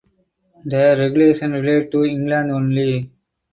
The regulations relate to England only.